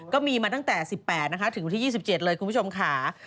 ก็มีมาตั้งแต่๑๘นะคะถึงวันที่๒๗เลยคุณผู้ชมค่ะ